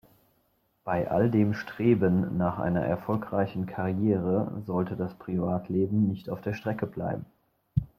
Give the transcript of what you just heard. Bei all dem Streben nach einer erfolgreichen Karriere sollte das Privatleben nicht auf der Strecke bleiben.